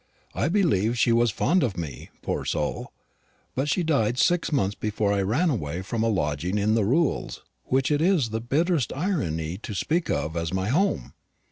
I believe she was fond of me, poor soul; but she died six months before I ran away from a lodging in the Rules, which it is the bitterest irony to speak of as my home.